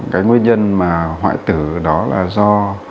cái nguyên nhân mà hoại tử đó là do